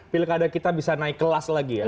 pilih kada kita bisa naik kelas lagi ya